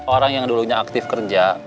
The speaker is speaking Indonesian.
orang yang dulunya aktif kerja